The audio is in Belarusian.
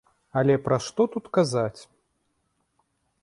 Але пра што тут казаць?